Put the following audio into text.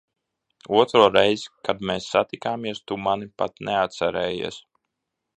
Otro reizi, kad mēs satikāmies, tu mani pat neatcerējies.